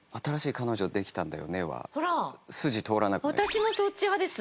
私もそっち派です。